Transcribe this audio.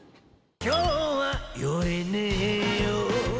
今日は酔えねぇよ